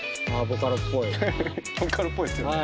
ボカロっぽいですよね。